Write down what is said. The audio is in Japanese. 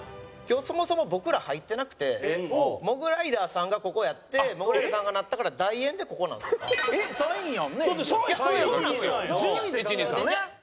今日そもそも僕ら入ってなくてモグライダーさんがここやってモグライダーさんがなったから代演でここなんですよ。